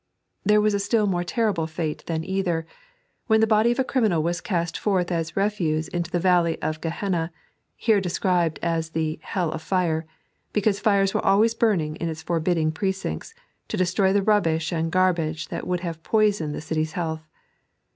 There was a stUl more terrible fate than either, when the body of a criminal was cast forth as refuse into the Valley of Gehenna, here described as the "hell of fire," because fiires were always burning in its forbidding precincts, to destroy the rubbish and garbage that would have poisoned the city's health.